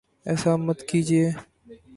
ایسا مت کیجیے